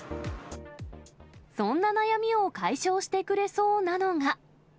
そんな悩みを解消してくれそうなのが。